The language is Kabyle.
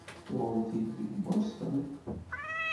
Tuɣem-t-id deg Boston?